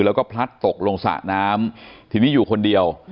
แล้วก็พลัดตกลงสระน้ำทีนี้อยู่คนเดียว